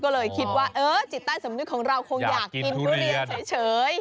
ก็เลยคิดว่าเออจิตใต้สำนึกของเราคงอยากกินทุเรียนเฉย